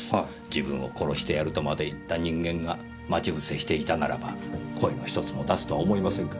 自分を殺してやるとまで言った人間が待ち伏せしていたならば声のひとつも出すとは思いませんか。